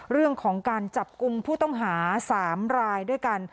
เรื่องของการจับกลุ่มผู้ต้องหา๓รายด้วยกัน